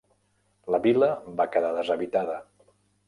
La vila va quedar deshabitada.